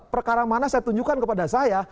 perkara mana saya tunjukkan kepada saya